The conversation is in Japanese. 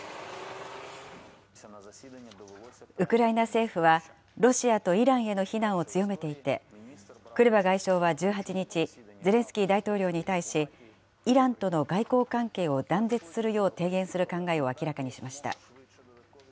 ウクライナ政府は、ロシアとイランへの非難を強めていて、クレバ外相は１８日、ゼレンスキー大統領に対し、イランとの外交関係を断絶するよう提言する考えを明らかにしました。